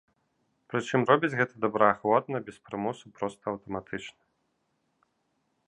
Прычым робяць гэта добраахвотна, без прымусу, проста аўтаматычна.